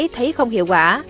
thấy không hiệu quả